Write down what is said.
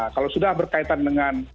kalau sudah berkaitan dengan